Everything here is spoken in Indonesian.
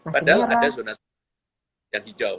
padahal ada zona yang hijau